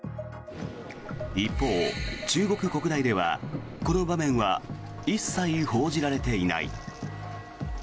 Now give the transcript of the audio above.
一方、中国国内ではこの場面は一切報じられていない。